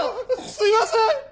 すいません！